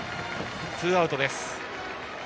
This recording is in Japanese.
ツーアウトです。